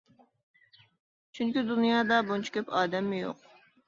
چۈنكى دۇنيادا بۇنچە كۆپ ئادەممۇ يوق.